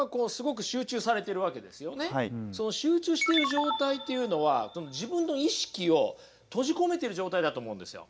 その集中している状態っていうのは自分の意識を閉じ込めてる状態だと思うんですよ。